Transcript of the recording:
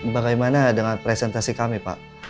bagaimana dengan presentasi kami pak